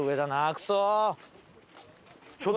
クソ！